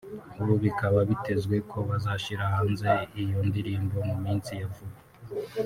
ubu bikaba byitezwe ko bazashyira hanze iyo ndirimbo mu minsi ya vuba